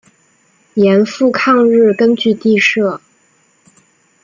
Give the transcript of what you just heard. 盐阜抗日根据地设。